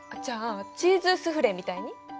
じゃあチーズスフレみたいに？